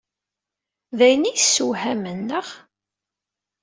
D ayen i yessewhamen, naɣ?